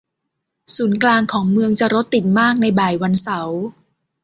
ศูนย์กลางของเมืองจะรถติดมากในบ่ายวันเสาร์